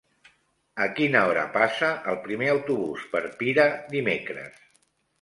A quina hora passa el primer autobús per Pira dimecres?